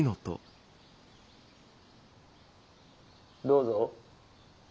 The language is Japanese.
どうぞ。